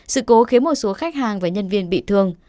sự cố khiến một số khách hàng và nhân viên bị thương